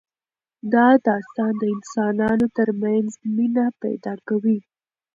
دا داستان د انسانانو ترمنځ مینه پیدا کوي.